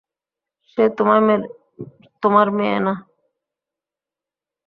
সে তোমার মেয়ে না।